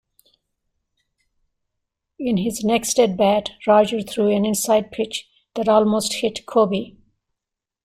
In his next at-bat, Roger threw an inside pitch that almost hit Koby.